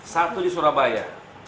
satu di surabaya